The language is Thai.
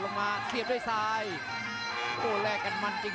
จังหวาดึงซ้ายตายังดีอยู่ครับเพชรมงคล